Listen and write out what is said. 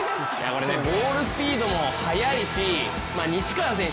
ゴールスピードも速いし西川選手